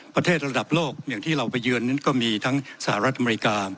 ประเทศระดับโลกอย่างที่เราไปเยือนนั้นก็มีทั้งสหรัฐอเมริกา